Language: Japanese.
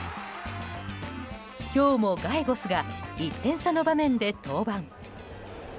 今日も、ガエゴスが１点差の場面で登板。